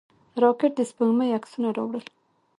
راکټ د سپوږمۍ عکسونه راوړل